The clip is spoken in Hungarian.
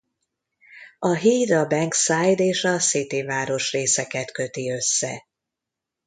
A híd a Bankside és a City városrészeket köti össze.